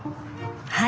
はい！